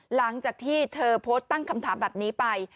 หลังจากที่เธอโพสต์ตั้งคำถามแบบนี้ไป